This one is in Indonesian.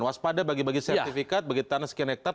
waspada bagi bagi sertifikat bagi tanah sekian hektare